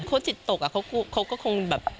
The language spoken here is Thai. เขาจิตตกเขาก็คงแบบ